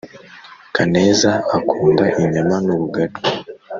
kaneza akunda inyama n'ubugari